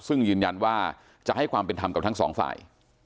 ซึ่งยืนยันว่าจะให้ความเป็นธรรมกับทั้งสองฝ่าย